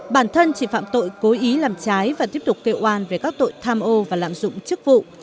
bản thân chỉ phạm tội cố ý làm trái và tiếp tục kêu oan về các tội tham ô và lạm dụng chức vụ